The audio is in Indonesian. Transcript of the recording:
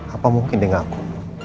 apa mungkin dia ngaku